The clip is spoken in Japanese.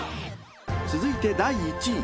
［続いて第１位］